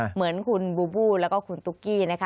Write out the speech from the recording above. เหมือนคุณบูปู้และคุณตุ๊กกี้